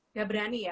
gak berani ya